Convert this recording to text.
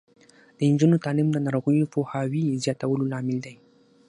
د نجونو تعلیم د ناروغیو پوهاوي زیاتولو لامل دی.